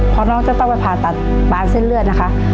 พอน้องจะต้องไปผ่าตัดบานเส้นเลือดนะครับ